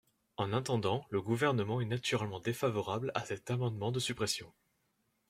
En attendant, le Gouvernement est naturellement défavorable à cet amendement de suppression.